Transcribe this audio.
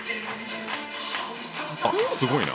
あすごいな。